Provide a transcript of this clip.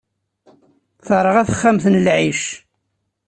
Terɣa texxamt n lɛic.